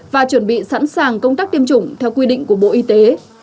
và chuẩn bị sẵn sàng công tác tiêm chủng theo quy định của bộ y tế